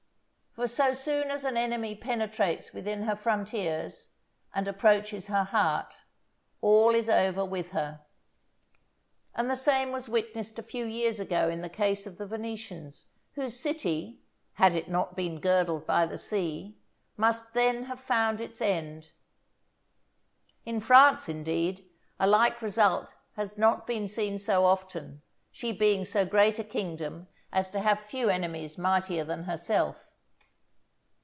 For so soon as an enemy penetrates within her frontiers, and approaches her heart, all is over with her. And the same was witnessed a few years ago in the case of the Venetians, whose city, had it not been girdled by the sea, must then have found its end. In France, indeed, a like result has not been seen so often, she being so great a kingdom as to have few enemies mightier than herself.